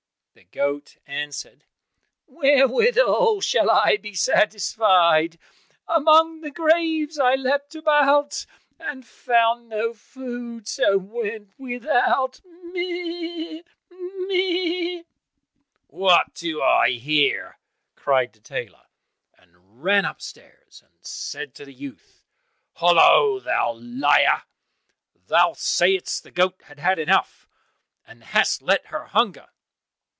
The goat answered, "Wherewithal should I be satisfied? Among the graves I leapt about, And found no food, so went without, meh! meh!" "What do I hear?" cried the tailor, and ran upstairs and said to the youth, "Hollo, thou liar: thou saidest the goat had had enough, and hast let her hunger!"